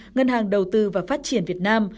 ngân hàng đầu tư và phát triển việt nam